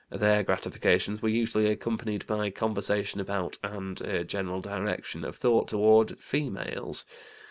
Their gratifications were usually accompanied by conversation about, and a general direction of thought toward, females.